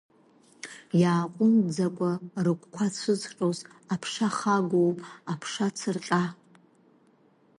Иааҟәымҵӡакәа рыгәқәа цәызҟьоз аԥша хагоуп, аԥша цырҟьа.